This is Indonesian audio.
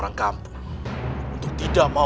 enggak di bawah